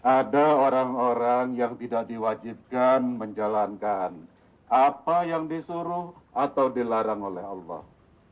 ada orang orang yang tidak diwajibkan menjalankan apa yang disuruh atau dilarang oleh allah